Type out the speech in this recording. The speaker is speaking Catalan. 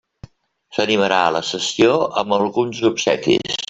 S'animarà la sessió amb alguns obsequis.